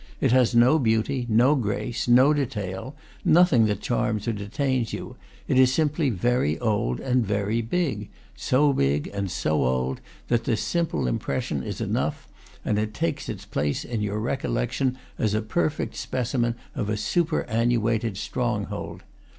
It has no beauty, no grace, no detail, nothing that charms or detains you; it is simply very old and very big, so big and so old that this simple impression is enough, and it takes its place in your recollections as a perfect specimen of a superannuated stronghold.